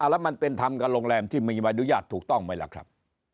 แล้วมันเป็นธรรมกับโรงแรมที่มีใบอนุญาตถูกต้องไหมล่ะครับ